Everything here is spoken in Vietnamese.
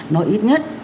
nó ít nhất